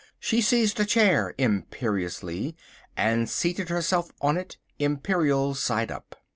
She seized a chair imperiously and seated herself on it, imperial side up.